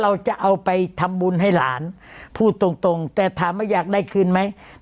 เราจะเอาไปทำบุญให้หลานพูดตรงตรงแต่ถามว่าอยากได้คืนไหม